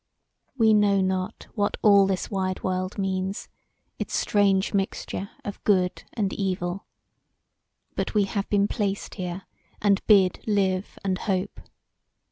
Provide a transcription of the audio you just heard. "We know not what all this wide world means; its strange mixture of good and evil. But we have been placed here and bid live and hope.